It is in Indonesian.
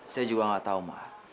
saya juga nggak tahu mah